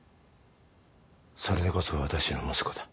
それでこそ私の息子だ。